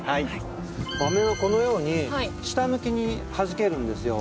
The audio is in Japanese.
和綿はこのように下向きにはじけるんですよ。